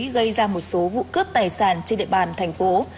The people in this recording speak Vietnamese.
gây ra một số vụ cướp tài sản trên địa bàn thành phố